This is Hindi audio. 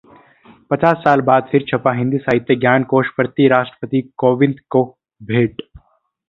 पचास साल बाद फिर छपा 'हिंदी साहित्य ज्ञान कोश', प्रति राष्ट्रपति कोविंद को भेंट